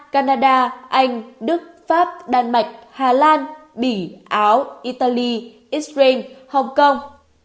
canada anh đức pháp đan mạch hà lan bỉ áo italy israel hong kong